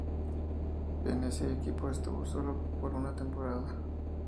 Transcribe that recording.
En ese equipo estuvo sólo por una temporada.